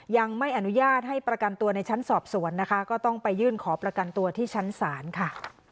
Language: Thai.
ยังไม่อนุญาตให้ประกันตัวในชั้นสอบสวนนะคะก็ต้องไปยื่นขอประกันตัวที่ชั้นศาลค่ะ